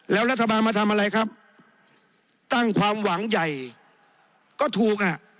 แล้วรัฐบาลมาทำอะไรครับตั้งความหวังใหญ่ก็ถูกอ่ะ